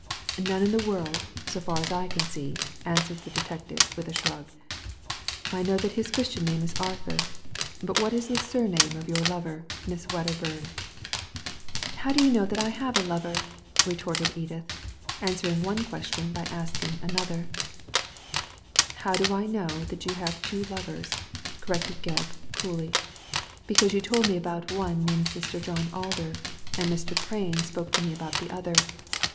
" None in the world, so far as I can see," answered the detective, with a shrug. " I know that his Christian name is Arthur, but what is the surname of your lover, Miss Wedderbum?" " How do you know that I have a lover ?" retorted Edith, answering one question by asking another. " How do I know Aat you have two lovers ?" corrected Gebb, coolly. * Because you told me about one named Mr. John Alder, and Mr. Prain spoke to me about the other.